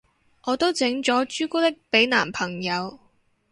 我都整咗朱古力俾男朋友